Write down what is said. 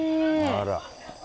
あら。